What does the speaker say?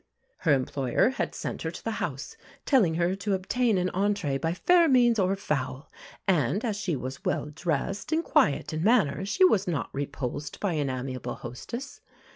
Her employer had sent her to the house, telling her to obtain an entree by fair means or foul; and as she was well dressed and quiet in manner, she was not repulsed by an amiable hostess.